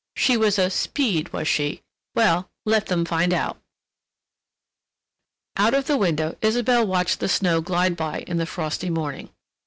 She was a "Speed," was she? Well—let them find out. Out of the window Isabelle watched the snow glide by in the frosty morning.